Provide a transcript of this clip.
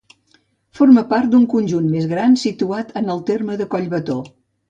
Forma part d'un conjunt més gran situat en el terme de Collbató.